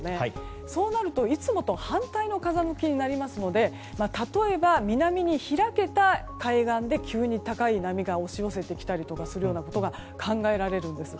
そうなると、いつもと反対の風向きになりますので例えば南に開けた海岸で急に高い波が押し寄せてきたりとかするようなことが考えられるんです。